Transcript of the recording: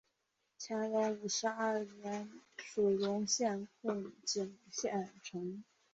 乾隆五十二年署荣县贡井县丞。